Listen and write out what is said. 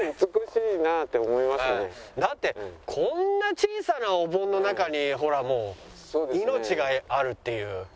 だってこんな小さなお盆の中にほらもう命があるっていう。